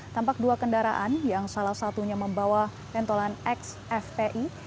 tampak dua kendaraan yang salah satunya membawa pentolan xfpi